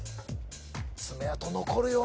爪痕残るよ